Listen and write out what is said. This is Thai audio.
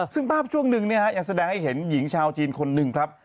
ซึ่งภาพช่วงนึงยังแสดงให้เห็นหญิงชาวจีนคนหนึ่งครับ